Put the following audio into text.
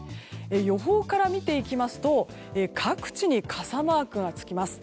予報から見ていきますと各地に傘マークがつきます。